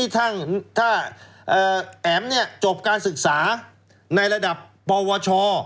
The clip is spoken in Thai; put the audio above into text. ถ้าแอ๋มจบการศึกษาในระดับปวช